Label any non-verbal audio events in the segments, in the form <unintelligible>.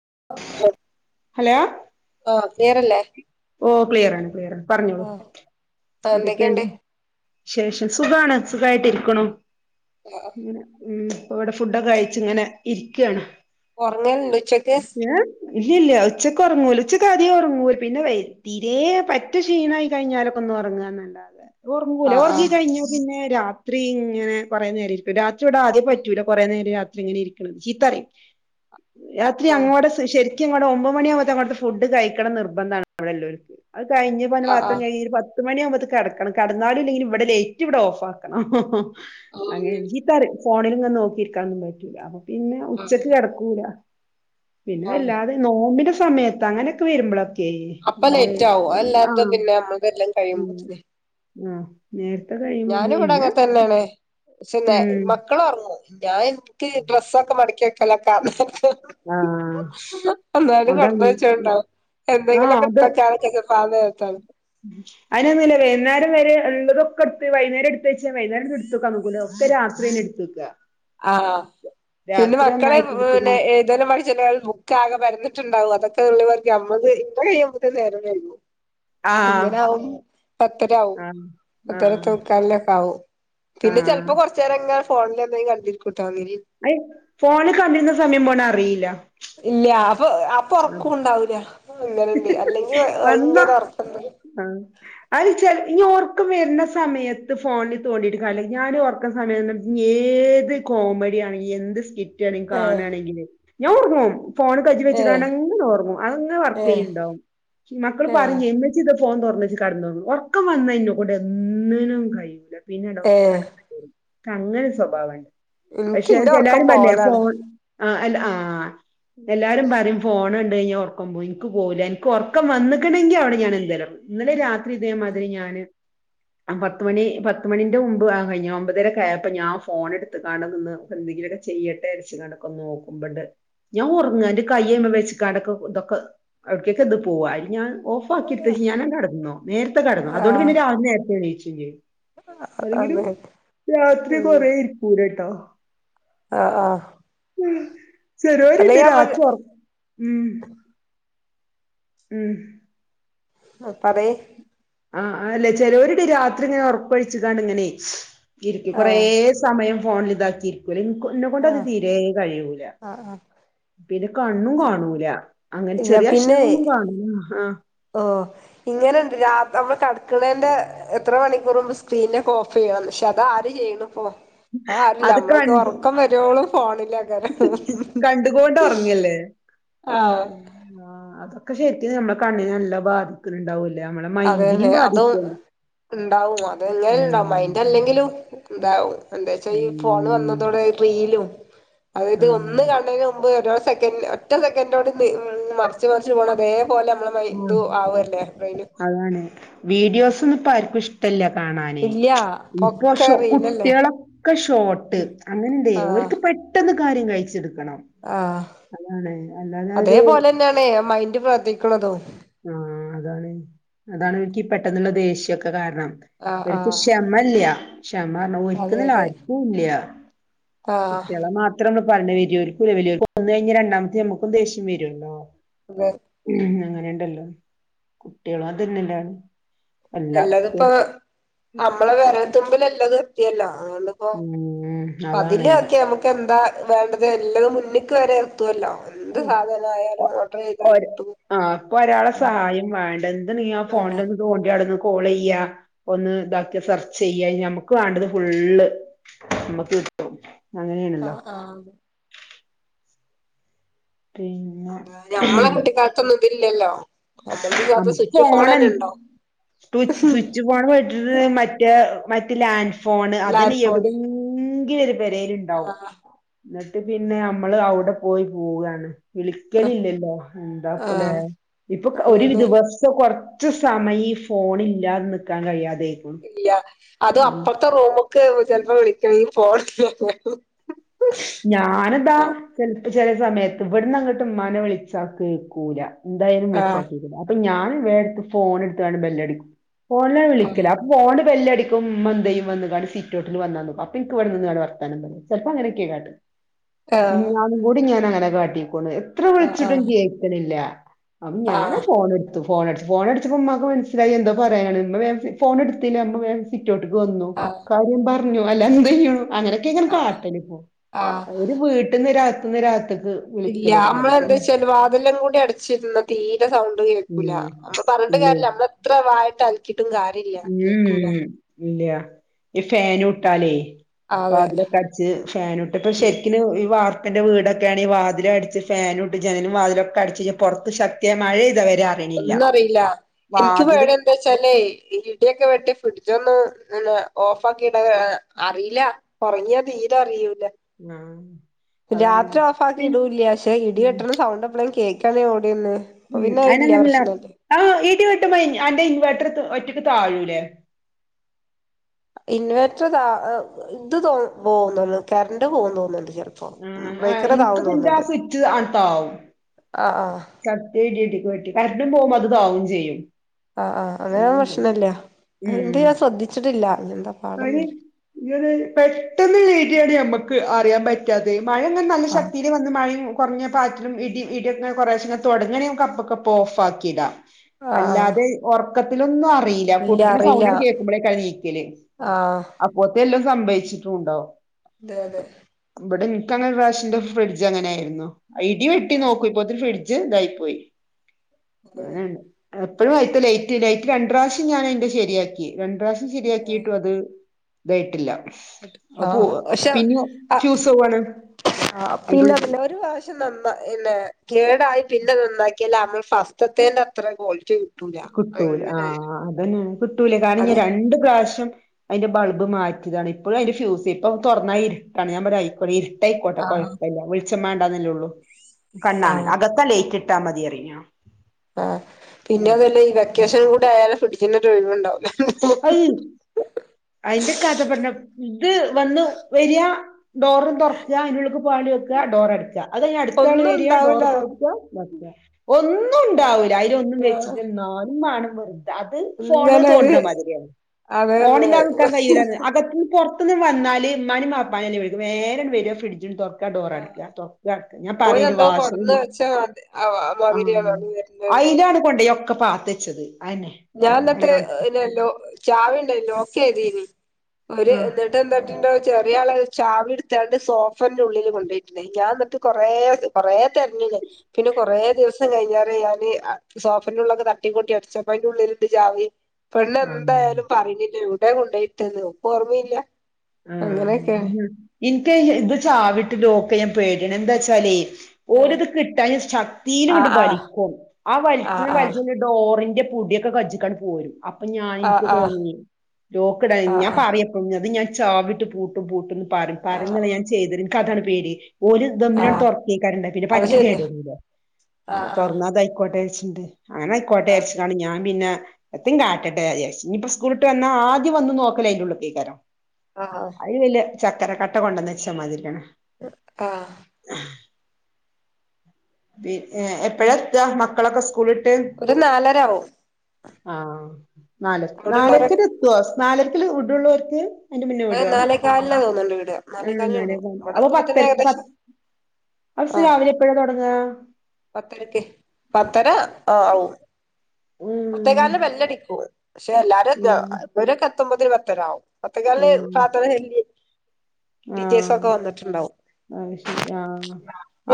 <inaudible> Hello ആഹ് ക്ലിയറല്ലേ ഓ ക്ലിയർ ആണ് ക്ലിയറാണ് പറഞ്ഞോളൂ ആഹ് എന്തൊക്കെയുണ്ട് എന്തൊക്കെണ്ട് വിശേഷം സുഖാണ് സുഖായിട്ടിരിക്ക്‌ണു <unintelligible> ഉം ഇപ്പ ഇവിടെ ഫുഡൊക്കെ കഴിച്ച് ങ്ങനെ ഇരിക്ക്യാണ് ഒറങ്ങല്ണ്ടോ ഉച്ചക്ക് ഇല്ല ഇല്ല ഉച്ചക്ക് ഒറങ്ങൂല ഉച്ചക്ക് ആദ്യേ ഒറങ്ങൂല പിന്നെ വൈ തീരെ പറ്റ ക്ഷീണായി കഴിഞ്ഞാലൊക്കെ ഒന്ന് ഉറങ്ങാന്നല്ലാതെ ഒർങ്ങൂല ആഹ് ഒർങ്ങി ആഹ് കഴിഞ്ഞാ പിന്നെ രാത്രി ഇങ്ങനെ കുറെ നേരം ഇരിക്കും രാത്രി ഇവടെ ആദ്യേ പറ്റൂല കുറെേ നേരം രാത്രി ഇങ്ങനെ ഇരിക്കണത് ചീത്തറിം രാത്രി ആഹ് അങ്ങോടെ സ ശരി എനിക്കങ്ങോട്ട് ഒമ്പത് മണിയാകുമ്പോത്തിനങ്ങോട്ട് ഫുഡ് കഴിക്കണം നിർബന്ധാണ് അവിടെല്ലോർക്ക് അത് കഴിഞ്ഞ് പന്ന് പാത്രം ആഹ് കഴികീ ഒരു പ ത്ത് മണിയാവുമ്പോത്തിന് കെടക്കണം കടന്നാലും ഇല്ലെങ്കിലും ഇവിടെ ലൈറ്റ് ഇവിടെ ഓഫാക്കണം അങ്ങനെ ആഹ് ചീത്തറിം ഫോണിൽ ഇങ്ങനെ നോക്കിയിരിക്കാനൊന്നും നോക്കിയില്ല പിന്നെ ആഹ് ഉച്ചക്ക് കിടക്കൂലാ പിന്നെ ആഹ് ആല്ലാതെ നോമ്പിന്റെ സമയത്ത് അങ്ങനെയൊക്കെ വരുമ്പോഴൊക്കെ അപ്പ നമ്മള് ലേറ്റാവോ ആ അല്ലാത്തോ പിന്നെ അമ്മക്ക് എല്ലാം കഴിയുമ്പോന്നെ ആഹ് നേർ ഞാനും ഇവിടെ അങ്ങത്തന്നെയണ് പക്ഷെ നെ ഉം മക്കള് ഒറങ്ങും ഞാൻ എനിക്ക് ഡ്രസ്സക്കെ മടക്കി വെക്കളൊക്കെ ആണ് ആ എന്നാലും കൊടുത്ത അതാണ് വെച്ചോണ്ടാവും എന്തെങ്കിലും ഒക്കെ <inaudible> സമയത്ത് അതിനൊന്നുമല്ല വേവുന്നാരം വരെ നല്ലതൊക്കെടുത്ത് വൈകുന്ന്ന്നേരം വെ വൈവയുന്നേരം എടുത്തു വഴിക്കാൻ നോക്കൂല്ല ഒക്ക രാത്രി തന്നെ എടുത്തു തൂക്ക ആഹ പിന്നെ മക്കളെ ഒന്നായിട്ട് എടുത്ത് ഏതുവരെ പഠിച്ചിട്ട് ബുക്കാകെ പറന്നു ണ്ടാവും അതൊക്കെ നുള്ളി പെറുക്കി അമ്മത് ഇ കിയുമ്പോത്തേ നേരോം വാഴികും ആ എങ്ങനാവും പത്തരവും ആ ആ പത്തര പത്തേമുക്കാൽ ഒക്കെ ആവും ആ പിന്നെ ചിലപ്പോ കൊറചെരംഇങ്ങനെ ഫോണിലെപ്പയും കളി ട്ട അയ് ഫോണ് കണ്ടിരുന്ന സമയം പോണ അറിയില്ല ഇല്ല്യാ അപ്പൊ അപൊറക്കോം ഉണ്ടാവില്ല അങ്ങനെണ്ട് അല്ലെങ്കി ഭയങ്കര വന്ന ഉറപക്കാംതൂങ്ങി ആഹ് അത് ചെൽ ഇനി ഓർക്കം വരുന്ന സമയത്ത് ഫോണിൽ തോണ്ടിയിട്ട് ക ഞാൻ ഓർക്കണ സമയത്ത് ഏത് കോമഡിയ ആണെങ്ക എന്ത് സ്കി ഏഹ് കാണണേകിൽ ഞാഉറങ്ങും ഫോൺ കജി ഏഹ് വെചിട്ടണേങ്കിൽ ഓർങ്ങും അതങ്ങനെ വർ ഏഹ് ചെയ്യുണ്ടാവും മക്കൾ ഏഹ് പറഞ്ഞു ഉമ്മച്ചി ഇത് ഫോൺ തുറന്നച്ച് കടന്നോള്ളു ഉറക്കം വന്നക്കയിഞ്ഞോക്കട്ടെ ഓന്നിനും കഴുല പിന്നെടോ ഏഹ് കടക്ക അങ്ങനെ സ്വഭാവുണ്ട് ഇൻക്ക് പഷേത് ഇന്റെ ഒറക്കം ജനാല്പറഞ്ഞയ പോവലാണ് ഫോൺ ആ അൽ ആ എല്ലാരും പറയും- ഫോണ് കണ്ട് കഴിഞ്ഞാ ഒറക്കോം പോയി ക്ക് പോവൂല എനിക്ക് ഒറക്കം വന്നിക്കണെങ്കിൽ അവിടെ ഞാൻ എന്തായാലുറങ്ങും ഇന്നലെ രാ ഇതേമാതിരി ഞാന്- ആ പത്തുമണി പത്തുമണിന്റെ മുമ്പ് കഴിഞ്ഞ് ഒൻമ്പതരയൊക്കെ ആയപ്പോ ഞാൻ ഫോൺ എടുത്ത് കണ്ടന്ന് എന്തെങ്കിലുമൊക്കെ ചെയ്യട്ടെ എന്ന് വിചാരിച്ക്കാണ്ട് നോക്കുമ്പോണ്ട് ഞാൻ ഉറങ്ങ എന്റെ കയ്യ്മ വെച്ചാക്കെ കിടക്കുമ്പോ ഇതൊക്കെ- അവിടക്കേക്ക് ത് പൂവാ അരിഞ്ഞാൽ <unintelligible> ഓഫാക്കിട്ടു ഞാനങ്ങ് കെടന്നു നേരത്തെ കെടന്നു അതുകൊണ്ട് ആഹ് പിന്നെ രാവിലെ നേരത്തെ എണീച്ചു ട്ടില്ല്യേ <unintelligible> അല്ലെങ്കിലും അതെ രാത്രി ഉം കൊറെ ഇരിക്കുലേ ട്ടോ ആഹ് ആഹ് ചെലോര് ഇന്ന് അല്ലെങ്കിൽ അവൻ രാത്രി ഒറ മ് മ് ആ പറയ്. ആ അല്ലെ ചെലോരിക്ക് രാത്രി ഇങ്ങനെ ഒറക്കൊഴിച്ചിക്കാണ്ട് ഇങ്ങനെ. ഇരിക്കും കൊറേ ആഹ് സമയം ഫോണിലിതാക്കിയിരിക്കൂലെ ൻ ന്നെ കൊണ്ട് അത് ആഹ് തീരേ കഴിയൂല ആഹ് ആഹ് പിന്നെ കണ്ണും കാണൂല അങ്ങനെ ഇല്ല ചെറിയ പിന്നെ അക്ഷരങ്ങളൊന്നും <unintelligible> ആ ഓ ഇങ്ങനെയൊണ്ട് രാ നമ്മള് കെടക്കാണേന്റെ എത്ര മണിക്കൂറുമ്പ് സ്ക്രീനോക്കെ ഓഫ്‌ ചെയ്യണം പക്ഷെ അത് ആര് ചെയ്യണിപ്പോ ആ ആരല്ല അത് മ്മള്ക്ക് കണ്ട് ഒറക്കം വരുവോളം ഫോണിലങ്ങനെ കണ്ടുകൊണ്ട് ഒറങ്ങല്ലേ ആ ആ ഒക്കെ ശെരിക്ക് മ്മളെ കണ്ണിന് നല്ല ബാധിക്ക്ണ്‌ണ്ടാവൂ അതെ അതെ അതു ഇണ്ടാവും അത് ഉം <unintelligible> മൈന്റ് അല്ലെങ്കിലും എന്താവും എന്തെച്ചാ ഈ ഫോണ് ഉം വന്നതോടെ റീലും അതായത് ആഹ് ഒന്ന് കണ്ടയ്ന് <unintelligible> സെക്കൻ ഒറ്റ സെക്കന്റോണ്ട് നി മർച്ച് മർച്ച് പോണ <unintelligible> പോലെ മ്മളെ മൈ ഇതു ആഹ് ആവ്ല്ലേ ബ്രെയ് അതാണ് വീഡിയോസൊന്നും ഇപ്പ ആർക്കും ഇഷ്ട്ടല്ല. കാണാനേ ഇല്ല ഇപ്പൊ പൊക്കെ ഷോ റീലല്ലേ കുട്ടിളൊക്കെ ഷോട്ട് ഉം അങ്ങനെന്തേ ഓൽക്ക് പെട്ടെന്ന് കാര്യം കഴിച്ചിടും. ആ അല്ലാതെ അതേ ഒരു പോലെന്നേണ് മൈന്റ് പ്രവർത്തിക്ണതും ആ അതാണ് അതാണ് എനിക്ക് പെട്ടെന്നുള്ള ദേഷ്യൊക്കെ കാര ണം ആഹ് ഒക്ക് ആഹ് ക്ഷമല്ല ക്ഷമ പറ ഒരിക്കും അതെ നല്ല അതെ ആർക്കും ഇല്ല ആഹ് കുട്ടള മാത്രം പറ വര കുലല ഒന്ന കഴിഞ്ഞ രണ്ടാമത്തെ നമ്മുും ദേഷ്യം വരുണ്ടോ അതെ <inaudible> ഉം ഉം അങ്ങനെണ് ണ്ടല്ലോ കുട്ടികളും അത്ന്നെല്ലാണ് എല്ലാതിപ്പ നമ്മളെ വിരൽതുമ്പിൽല്ല എല്ല വർത്തിയല്ലാ <inaudible> അതൊണ്ട്ിപ്പോ ഉം അതാണ് പതില് ഒക്കെ നമുക്ക് എന്താ വേണ്ടത് എല്ല മുന്നിക്ക് വരെ എർത്തുമല്ലോ ഒ കിട്ടും ആ ഇപ്പൊ ഒരാളെ സഹായം വേണ്ട എന്ത് നീ ആ അല്ല ഫോണില ഒന്ന് തോണ്ടിയാടന്ന് കോൾ ചെയ്യ ഒന്ന് ഇതാക്കക് സെർച്ച് ചെയ്യാ നമുക്ക് വേണ്ടത് ഫുള്ള് നമ്മുക്ക് കിട്ടും ആഹ അങ്ങനെയാണല്ലോ ആഹ പിന്നെ അത ഞമ്മളെ കുട്ടിക്കാലത്തൊന്നും പില്ലല്ലോ നമുക്ക് ഫോൺ എ സ് സ്വിച്ച് ഫോൺ വിട്ടിട്ട്മറ്റേ മറ്റ് ലാൻ ഫോണ് എല്ലാരെ അതനഎവിട ഫോണ് ഇ <inaudible> പെരേല്ഉണ്ടാവും ആഹ് പിന്നെ നമ്മള് അവിടെ പോയി പോവയാണ് വിളിക്കലില്ലല്ലോ എന്താ പോലെ ആഹ് ഒരു അതന്നെ ദിവസ കുറച്ച് സമയം ഈ ഫോൺ ഇല്ലാത നിക്കാൻ കഴിയാത ഇല്ല അത് അപ്പറത്തെ റോ ക്കെ ചിലപ്പോ വിളിക്കന്ന് പ <inaudible> ഞാനെന്താ ച ചില സമയത്ത് ഇവിടന്ന് അങ്ങോട്ടും മ്മാന വിളിച്ച കേക്കൂല എന്തായാലും വിളിച്ചാ ആഹ് കേക്കുല അപ്പൊ ഞാൻ ഫോൺ എടുത്താണ് ബെല്ലടിക്കും ഫോണില വിളിക്കല അപ്പൊ ഫോൺ ബെല്ലടിക്കും മ്മന്തെയും വന്ന്കാണ്ട് സിറ്റൗട്ടിൽ വന്നാണും അപ്പൊൻക്ക് ഇവിടെന്ന് കാണ്ട് വർത്താനം പറയാ ചിലപ്പോ അങ്ങനെ <unintelligible> ഉം ആഹ് അതുംകൂടി ഞാൻ അങ്ങനെ <inaudible> എത്ര വിളിച്ചിട്ടും ആഹ് കേക്കണില്ല അ ആഹ് ആഹ് ഞാനാ ഫോൺ എടുത്തു ഫോൺ ഫോൺ അടിച്ചപ്പ മ്മാക്ക് മനസിലായി എന്തോ പറയാനാണ് മ്മ വേ ഫോണെടുത്തില്ല മ്മ സിറ്റൗട്ട്ക്ക് വന്നു ആഹ് <unintelligible> <unintelligible> അങ്ങനെയൊക്കെ ഇങ്ങനെ ആഹ് കാട്ടലാ പ്പോ ആഹ് അവര് വീട്ട്ന്ന് <unintelligible> ഇല്ല നമ്മൾ എന്താന്ന് വെച്ചാല് വാതലും കൂടി അടച്ചിരുന്ന തീരെ സൗണ്ട് കേക്കൂല ഉം നമ്മൾ പറഞ്ഞിട്ട് ഇല്ലേ കാര്യമില്ല നമ്മൾ എത്ര വായിട്ട് കിട്ടും കാര്യല്ല ഉം കേക്കൂല ഇല്ല ഈ ഫാനുട്ടാലേ അപ്പ അതെ വാതിലൊക്കെ അട്ച്ച് ഫാനുട്ട് ഇപ്പൊ ഉം ശെരിക്കിന് ഈ വാ അപ്പന്റെ വീടൊക്കെയാണെങ്കി വതിലു അടിച്ച് ഫാനുംട്ട് ജനലും വാതിലൊക്കെ അടച്ച് പൊറത്ത് ശക്തിയായ മഴെയ്തി വരെ അറിയണില്ല ഒന്നു അറിയില്ല ഇൻക്ക് വാതില് പേടി എന്താച്ചാലേ ഇടിയൊക്കെ വെട്ടി ഫ്രിഡ്ജൊന്ന് ഓഫ് ആക്കിയിട അറിയില്ല ഒറങ്ങിയാ തീരെ അറിയൂല ആ രാത്രി ഓഫ് ആക്കി ഇടൂല്ല പക്ഷെ ഇടി ഉം വെട്ടുന്ന സൗണ്ട് എപ്പഴാ കേക്ക <unintelligible> ഉം അയിനങ്ങനല്ല <unintelligible> വെട്ടുമ്പോ അന്റെ ഇൻവെർട്ടർ ഒറ്റക്ക് താഴൂല്ലേ ഇൻവേർട്ടർ <unintelligible> പോകുന്നു കറണ്ട് പോവുന്നു തോന്നുണ്ട് ഉം ആ ഇൻക്ക് പിന്റെ ആ സ്വിച്ച് ആണ്ട്താവും ആഹ് <unintelligible> താവും ചെയ്യും ആ ആ അങ്ങനെയാവുമ്പോ പ്രശ്നല്ല ഇന്റെ ഞാൻ ശ്രദ്ധിച്ചിട്ടില്ല <inaudible> പടി <unintelligible> പെട്ടെന്ന് <unintelligible> നമ്മുക്ക് അറിയാൻ പറ്റാത്തെ മഴ ഇങ്ങനെ നല്ല ആഹ് ശക്തീല് വന്ന് മഴയും കൊറഞ്ഞ പാറ്റിലും ഇടീം ഇടിയൊക്കെ കുറേശ്ശെന തെടങ്ങാണേ നമ്മക്ക് അപ്പക്കപ്പക്ക് ഓഫ് ആക്കി ഇടാം ആഹ് ആഹ് അല്ലാതെ ഒർ ക്കത്തിലൊന്നറ പെയ്യില്ല ഇല്ല പൊട്ട്ണ സൗണ്ട് അങ്ങട് കേക്കുമ്പളേക്കാ എണീക്കല് ആ ല്ലോ സംഭവിച്ചിട്ടുണ്ടോവും അതെ അതെ ക്കങ്ങനെ ഒരു പ്രാശം എൻ്റെ ഫ്രിഡ്ജ് അങ്ങനായിരുന്നു അ ഇടി വെട്ടി ആഹ് നോക്കു ഇപ്പോഴത്തെന് ഫ്രിഡ് ജ്ജ് ഇതായി പോയി ഉ അങ്ങനെണ്ട് എപ്പഴും അയിത്ത് ലൈറ്റ് ലൈറ്റ് രണ്ട്റാശം ഞാൻ അതിന്റെ ശരിയാക്കി രണ്ട് റാശം ശരിയാക്കിയിട് ഇതായിട്ടില്ല ആ അപ്പൊ പഷേ പിന്നിം അ ഫ്യൂസോവാണ് ആ അയ്ന്റെ പിന്ന ഉള്ളിൽ പിന്ന ഒരു പ്രാവശ്യം നന്നാ പിന്നെ കേടായി പിന്നത് നന്നാക്കിയാല് നമ്മൾ ഫസ്റ്റത്തേന്റ അത്രേം ക്വാളിറ്റിയെ കിട് കുട്ടൂല ആ ആ അതന്നെ കുട്ടൂല്ല കാരണം അത് ഞാൻ രണ്ടു പ്രാവശ്യം അയിന്റെ ബൾബ് മാറ്റിതാണ് ഇപ്പോഴും അതിന്റെ ഫ്യൂസ് ഇപ്പൊ തൊറന്നായിര്ട്ടാണ് ഞാൻ പറയാ അയിക്കൊര് ഇരുട്ട് ട്ടായിക്കോട്ടെ ആഹ് കൊഴപ്പില്ല വെളിച്ച് ച്ചം മേണ്ടാന്നല്ലേ ഒള്ളൂ കണ്ണാണ് അകത്ത ലൈറ്റി ഇട്ടാ മതി പറിയും ഞാ ആ പിന്നതുവല്ല ഈ വെക് വെക്കേഷൻ കൂടെയായാല് ഫ്രിഡ്ജിന് ടിക്കന്നെ ഒരു ഒഴിവുണ്ടാവും അയി അയിന്റെ കഥ പറഞ്ഞ ഇത് വന്ന് വരിയാ- ഡോറും തൊറക്കാ അതിന്റള്ളിൽക്ക് പാല് വെക്കുക ഡോറടക്കുക അത് കഴിഞ്ഞ് അടുത്താട്ട് ഒന്നും വരിക ഡോറ് ഉണ്ടാവൂല തുറക്ക അ ഒന്നും ഉണ്ടാവൂല്ല അയ്ലൊന്നും അത് ആഹ് വെച്ചിട്ട് എന്നാലും മാണം വരും അത് ഫോണ് ഇന്നലെ ഒരു തോണ്ടണ മാതിരിയാണ് അതെതെ ഫോണില്ലാതെ ക്കാൻ വയ്യരാന്ന് അകത്തുന്ന് പുറ ത്തൂന്ന് വന്നാല് ഉമ്മാനെയും ബാപ്പാനേയും അല്ല വിളിക്കുന്നത്‌ നേരേവരു ഫ്രഡ്ജും തുറക്ക ഡോറ്തുറക്ക ഡോറ് അടക്കുക തൊറക്കുവ ഞാൻ ഓന് പറയനു എന്തോ കൊടന്ന് വാഷ്റൂ വെച്ച മാതി ആഹ് ആ മാതിരിയാണ് അത് വരുന്നുണ്ടാവല് അയിലാണ് പൊടി ഒക്കെ പ തേച്ചത് ഞാൻ ഇന്നത്തെ ഇന്നല്ലോ ചാവ് ലെ ലോക്ക് ചെയ്തേനി ഒരു ആ എന്നിട്ട് എന്താക്കി ചെറിയ ആള് ചാവി എടുത്തണ്ട് സോഫന്റെ ഉള്ളില് കൊണ്ടോയിട്ടുണ്ട് ഞാൻ എന്നിട്ട് കൊറേ കൊറേ തിരഞ്ഞില് പിന്നെ കൊറേ ദിവസം കഴിഞ്ഞാല് ഞാന് സോഫന്റെള്ളിലൊക്കെ തട്ടിക്കൂട്ടി അടച്ച അയിന്റെ ഉള്ളിലിണ്ട് ചാവി പെണ്ണ് ആ എന്തായാലും പറഞ്ഞില്ലേ? എവിടെ കൊണ്ടോയിട്ടത് ഇപ്പൊ ഓർമ്മയില്ല അങ്ങനെയൊക്കെയ ഇനിക്ക് ഇത് ചാവിട്ട് ലോക്ക് ചെയ്യാൻ പേടിയാണ് എന്താച്ചാലേ ഏ ഓരത്കിട്ടാ ശക്തിൽ ആഹ് ഇങ്ങട്ട്‌വലിക്കും. ആ ആഹ് വലിച്ച്‌ ആഹ് വലിച്ച് ഡോറിന്റെ ന്റെ മുടിയൊക്കെ കട്ജിക്കാണ് പോരും അപ്പൊ ഞാൻ ആഹ് എനിക്ക് ആഹ് ആഹ് തോന്നി ലോക്ക് ഇടാൻ ഞാൻ പറയപ്പെഞ്ഞത് ഞാൻ ചാവിട്ട് പൂട്ടും പൂട്ടും പറും ആഹ് പറഞ്ഞിന്ന് ആഹ് ഞാൻ ചെയ്തിരു ക്കതാണ് പേടി ഒരു ആഹ് ദമ്മിനാണ് ആഹ് തുറക്കേക്കാറണ്ട പിന്നെ അത് പറ്റ ശരിയാ കേടല്ല ആഹ് തുറന്നാ അതായിക്കോട്ടെ <unintelligible> അങ്ങനെ ആഹ് ആയിക്കോട്ടെച്ചട്ടണ് ഞാൻ പിന്നെ എന്തു കാട്ടട്ടെ ഇനിയിപ്പ സ്കൂളിട്ട് വന്നാ ആദ്യം വന്നു നോക്കല അതിന്റെറെ ഉള്ളത്തേക്കാരോ ആ ചക്കര കട്ട കൊണ്ടുവന്ന് വച്ചാൽ മതിരിയാണ് ആ <unintelligible> ഏ എപ്പഴാ എത്തുക മക് ക്കളെക്കെ സ്കൂളിൽ ഒരു നാലര ആവും. ആ നാലര അവിടെള്ളവരൊക്കെ നാലരക്കെനെത്തുവോ? നാലത്തി ഉടുള്ളവർക്ക് ഏ നാലേ കാലിനാ തോന്നുണ്ട് ഇവിടെ നാലേ ആഹ് കാലിന് വിടും കാല് വടെ അപ്പൊ എത്തുംമ്പോക്ക് പത്തരക്ക് പ ഏകദേശം അവസ് ആഹ് രാവിലെ എപ്പഴാ തൊടങ്ങാ പത്തരക്ക് പത്തര ആ ആ ഉം പത്തേറക്കാല് ന് ബെല്ലടിക്കും പക്ഷെ എല്ലാരും ഉം <unintelligible> ഇവരൊക്കെ പത്തൊമ്പത് പത്തരാവും പത്തേക്കിലിന് ഉം പ്രാർത്തന ചെല്ലി ടീച്ചൈഴ്സ് ആഹ് ഒക്കെ വന്നിട്ടുണ്ടാവും അത് ശരി ആഹ്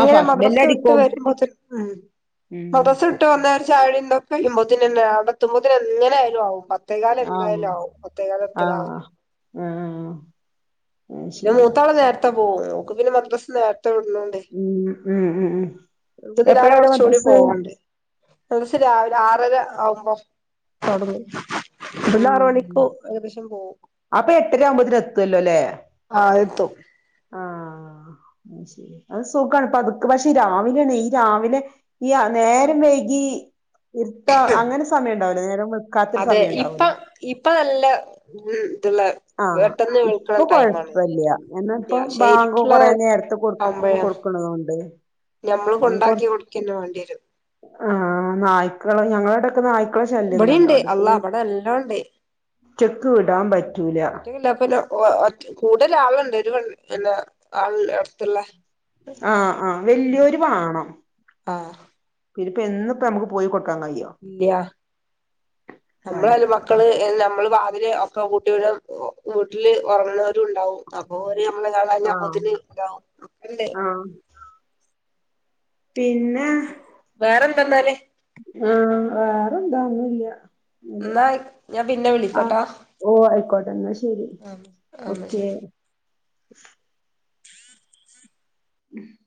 ആഹ് ഫസ്റ്റ് മദ്രസ വിട്ട് ബെല്ലടിക്കും വരുമ്പോത്തിനും ഉം ഉം മദ്രസ ഇട്ട് വന്നാ ചായൊടിംതൊക്കയുമ്പോ ത്ത് നന്നെ അവിടെത്തുമ്പോതിന് എങ്ങനെ ആയാലും ആവും പത്തേകാല് ആഹ് എന്തായാലും ആവും പത്തേ കാല് ആഹ് പത്തരാവാൻമതി ആഹ് അത് പിന്നെ ശരി മൂത്താള് നേര ത്തെ പോവും ഓക്ക് പിന്നെ മദ്രസ് നേ ഉം ഉം ഉം ഉ ഓക്ക് എപ്പഴാ ഇതിലേറെ വിടെ കുറച്ചുകൂടി മദ്രസ് പോവാണ്ട് <unintelligible> രാവിലെ ആറര ആവുമ്പം തൊട്ങ്ങും ആ അപ്പെ എട്ടര ആവുമ്പോതിന് എത്തല്ലോ ല്ലേ ആ എത്തും ആ ശരി അത് സുഖാണ് പതുക്കെ പക്ഷെ രാവിലെണെ ഈ രാവിലെ ഈ നേരം വൈകീ ഇരുട്ട് ആ അങ്ങനെ സമയം ഉണ്ടാവില്ല നേരം വൾക്കാത്തൊരു അതെ സമയം ഉണ്ടാവൂല ഇപ്പം ഇപ്പ ല്ല ഇതുള്ള ആഹ് വെട്ടെന്ന് നീക്ക്ണ ഇപ്പൊ ടൈമാണ് കൊഴപ്പല്ല എന്നാ ഇല്ല ഇപ്പൊ ശ്ശെ ബാങ്ക് ഇരിട്ടിള്ള കൊറേ നേരത്തെ കൊടു ആകുമ്പഴാ കൊടുക്കണതുകൊണ്ട് ഞമ്മള് കൊണ്ടാക്കി കൊടുക്കന്ന മാണ്ടി വരും ആ നായ്ക്കള് ഞങ്ങളടക്കെ നാ യ്ക്കള ശല്യം ഇബടിണ്ട് നല്ലോണ്ട് അള്ളാ ഇബടെ എല്ലാം ഇണ്ട് റ്റക്ക് വിടാൻ പറ്റൂല ഓ ഒറ്റ കൂടെ ഒരാളുണ്ട് ഒരു വ <unintelligible> പിന്നെ ആള് അടുത്തുള്ള ആഹ് ആഹ് വല്ല്യോര് വാണം ആഹ് പിന്നപ്പം എന്നൂപ്പോ നമുക്ക് പോയിക്കൊ ഇല്യാ അതാണ് നമ്മളായാലും മക്കള് എ നമ്മള് <unintelligible> <unintelligible> വീട്ടില് ഒർങ്ണോ ലും ണ്ടാവും അപ്പോര് നമ്മളെ കാണാഞ്ഞാ ആഹ് അപൊതിന് <unintelligible> ആഹ് പിന്നെ വേറെന്താന്നാല് ആഹ് വേറെന്താ ഒന്നുല്ല്യ ഇന്നാ ഞാൻ പിന്നെ വിളിക്കട്ടോ ഓ ആയിക്കോട്ടെ എന്നാ ശരി ആഹ് അന്നാ ശെരി ഓക്കെ ഉം